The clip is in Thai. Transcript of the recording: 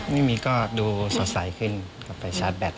ไม่มีก็ดูสดใสขึ้นก็ไปชาร์จแบต